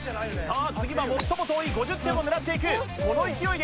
次は最も遠い５０点を狙っていく。